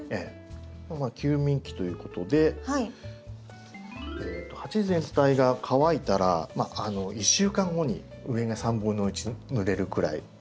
休眠期ということで鉢全体が乾いたら１週間後に上が1/3ぬれるくらいさっと水を。